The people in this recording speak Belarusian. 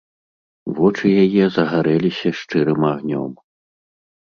Вочы яе загарэліся шчырым агнём.